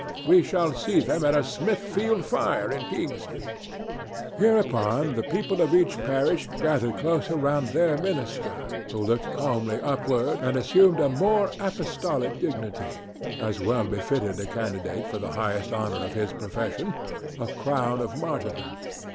We shall see them at a Smithfield fire in King street." Hereupon the people of each parish gathered closer round their minister, who looked calmly upward and assumed a more apostolic dignity, as well befitted a candidate for the highest honor of his profession—a crown of martyrdom.